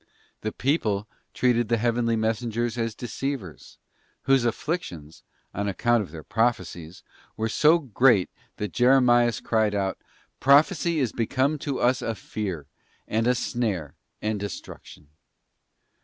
The people treated the heavenly messengers as deceivers, whose afflictions, on account of their prophecies, were so great that Jeremias cried out: 'Prophecy is become to us a fear, and a snare and destruction.